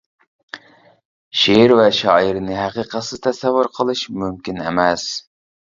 شېئىر ۋە شائىرنى ھەقىقەتسىز تەسەۋۋۇر قىلىش مۇمكىن ئەمەس.